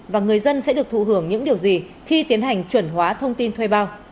và người dân sẽ được thụ hưởng những điều gì khi tiến hành chuẩn hóa thông tin thuê bao